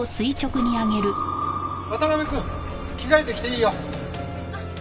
渡辺くん着替えてきていいよ。